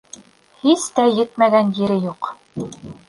Һис тә етмәгән ере юҡ.